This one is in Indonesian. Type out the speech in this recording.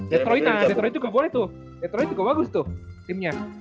detroit an detroit juga boleh tuh detroit juga bagus tuh timnya